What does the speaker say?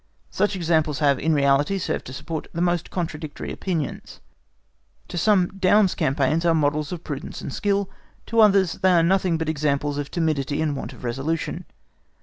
Such examples have, in reality, served to support the most contradictory opinions. To some Daun's campaigns are models of prudence and skill. To others, they are nothing but examples of timidity and want of resolution.